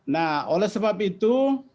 nah oleh sebab itu